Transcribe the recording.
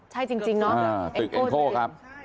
ใช่จริงเนอะเอ็นโก้ครับ